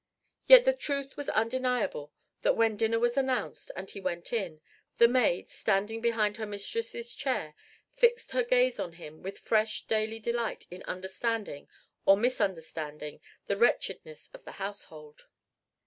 Yet the truth was undeniable that when dinner was announced and he went in, the maid, standing behind her mistress's chair, fixed her gaze on him with fresh daily delight in understanding or misunderstanding the wretchedness of the household.